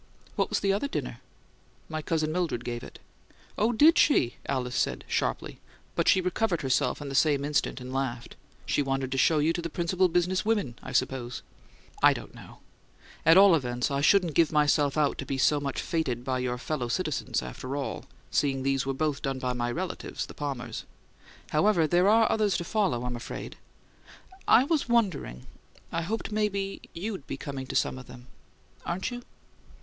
"What was the other dinner?" "My cousin Mildred gave it." "Oh, DID she!" Alice said, sharply, but she recovered herself in the same instant, and laughed. "She wanted to show you to the principal business women, I suppose." "I don't know. At all events, I shouldn't give myself out to be so much feted by your 'fellow citizens,' after all, seeing these were both done by my relatives, the Palmers. However, there are others to follow, I'm afraid. I was wondering I hoped maybe you'd be coming to some of them. Aren't you?"